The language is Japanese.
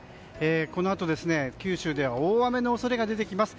このあと九州では大雨の恐れが出てきます。